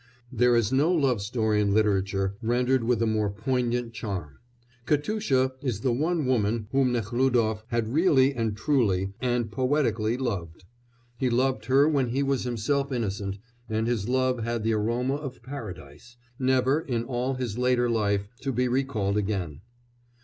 There is no love story in literature rendered with a more poignant charm. Katusha is the one woman whom Nekhlúdof had really and truly and poetically loved; he loved her when he was himself innocent, and his love had the aroma of Paradise, never, in all his later life, to be recalled again.